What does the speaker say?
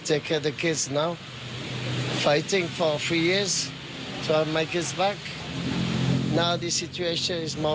แล้วก็เขาต่อสู้มาสี่สามสี่ปีขึ้นศาล